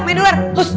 main di luar